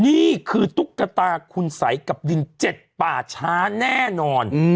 นี่คือตุ๊กตาคุณสัยกับดิน๗ป่าช้าแน่นอน